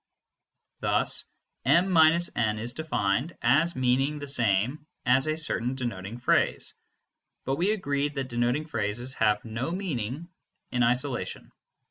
Thus m − n is defined as meaning the same as a certain denoting phrase; but we agreed that denoting phrases have no meaning in isolation.